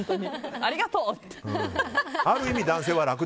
ありがとう！って。